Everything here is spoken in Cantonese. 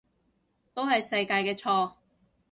都係世界嘅錯